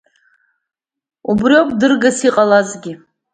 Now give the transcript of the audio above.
Убри ауп дыргас иҟалазгьы.